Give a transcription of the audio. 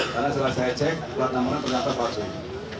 karena setelah saya cek pelaku namanya ternyata kosong